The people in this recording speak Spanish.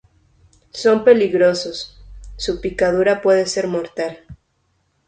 son peligrosos. su picadura puede ser mortal.